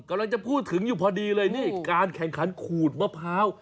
กำลังจะพูดถึงอยู่พอดีเลยนี่การแข่งขันขูดมะพร้าว